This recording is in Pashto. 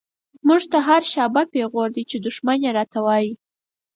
موږ ته هر” شا به” پيغور دی، چی دښمن يې را ته وايې